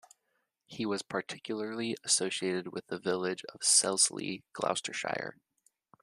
He was particularly associated with the village of Selsley, Gloucestershire.